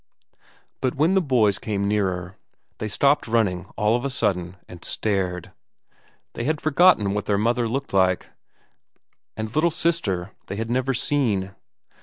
But when the boys came nearer they stopped running all of a sudden and stared. They had forgotten what their mother looked like, and little sister they had never seen.